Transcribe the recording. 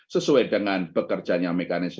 sesuai dengan pekerjaan yang mekanis